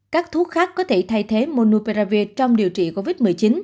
các thuốc khác có thể thay thế monupravi trong điều trị covid một mươi chín